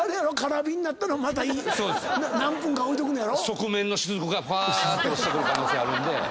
側面の滴がふぁーって落ちてくる可能性あるんで。